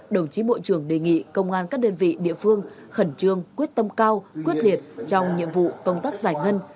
đồng chí bộ trưởng đề nghị công an các đơn vị địa phương khẩn trương quyết tâm cao quyết liệt trong nhiệm vụ công tác giải ngân